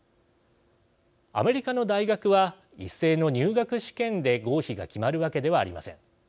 アメリカの大学は一斉の入学試験で合否が決まるわけではありません。